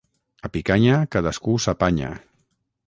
A Picanya, cadascú s'apanya.